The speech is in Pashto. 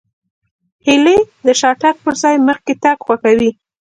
هیلۍ د شاتګ پر ځای مخکې تګ خوښوي